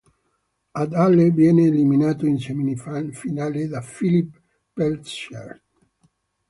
Ad Halle viene eliminato in semifinale da Philipp Petzschner.